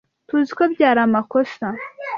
Tuziko byari amakosa.